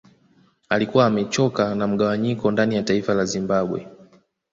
Alikuwa amechoka na mgawanyiko ndani ya taifa la Zimbabwe